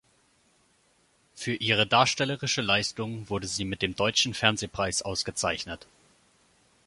Für ihre darstellerische Leistung wurde sie mit dem Deutschen Fernsehpreis ausgezeichnet.